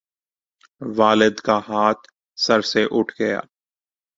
والد کا ہاتھ سر سے اٹھ گیا